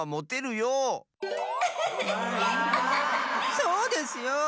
そうですよ！